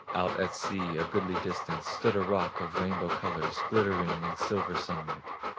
Out at sea a goodly distance, Stood a rock of rainbow colors, Glittering in silver sunlight.